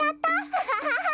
アハハハハ！